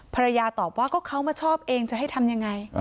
ภรรยาตอบว่าก็เขามาชอบเองจะให้ทำยังไง